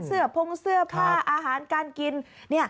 พงเสื้อผ้าอาหารการกิน